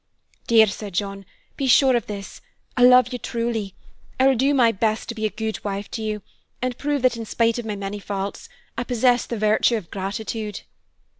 "Dear Sir John, be sure of this, I love you truly. I will do my best to be a good wife to you, and prove that, in spite of my many faults, I possess the virtue of gratitude."